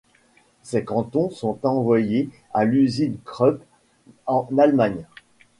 Ces canons sont envoyées à l'usine Krupp en Allemagne.